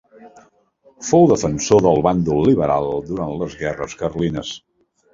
Fou defensor del bàndol liberal durant les Guerres Carlines.